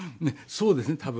そうですね多分。